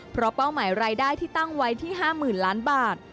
เพราะเป้าหมายรายได้ที่ตั้งไว้ที่๕๐๐๐ล้านบาท